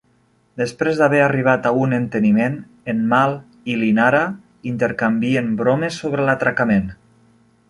Després d'haver arribat a un enteniment, en Mal i l'Inara intercanvien bromes sobre l'atracament.